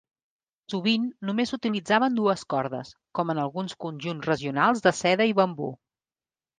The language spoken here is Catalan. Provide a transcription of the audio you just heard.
Sovint només s'utilitzaven dues cordes, com en alguns conjunts regionals de seda i bambú.